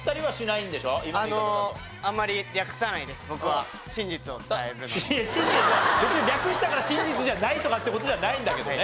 いや真実は別に略したから真実じゃないとかって事じゃないんだけどね。